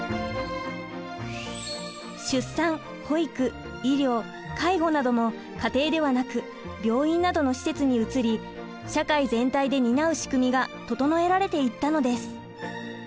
出産保育医療介護なども家庭ではなく病院などの施設に移り社会全体で担うしくみが整えられていったのです。